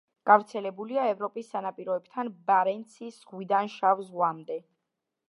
გავრცელებულია ევროპის სანაპიროებთან ბარენცის ზღვიდან შავ ზღვამდე.